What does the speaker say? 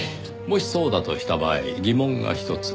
もしそうだとした場合疑問がひとつ。